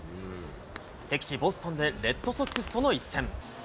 敵地、ボストンでレッドソックスとの一戦。